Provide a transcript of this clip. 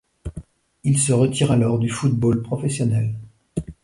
Il se retire alors du football professionnel.